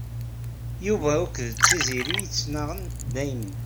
Yuba akked Tiziri ttnaɣen dayem.